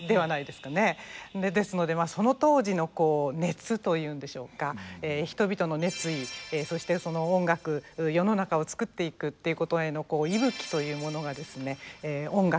ですのでまあその当時の熱と言うんでしょうか人々の熱意そしてその音楽世の中をつくっていくっていうことへの息吹というものがですね音楽